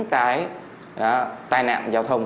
cái tai nạn giao thông